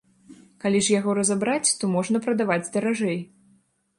Калі ж яго разабраць, то можна прадаваць даражэй.